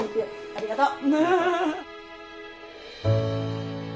ありがとう。